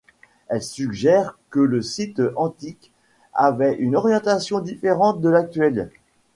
Elles suggèrent que le site antique avait une orientation différente de l'actuel.